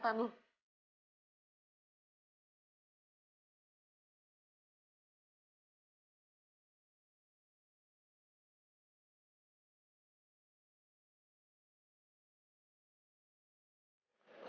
kalo jasih ujati itu dari mata lo